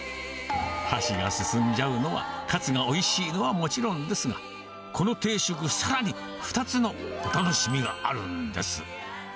箸が進んじゃうのは、かつがおいしいのはもちろんですが、この定食、さらに２つのお楽しみがあるんです。